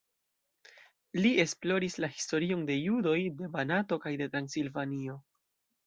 Li esploris la historion de judoj de Banato kaj de Transilvanio.